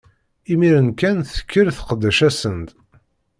Imiren kan, tekker teqdec-asen-d.